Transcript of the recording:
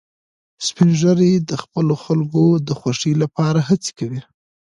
سپین ږیری د خپلو خلکو د خوښۍ لپاره هڅې کوي